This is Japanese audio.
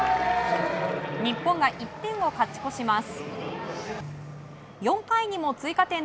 日本が１点を勝ち越します。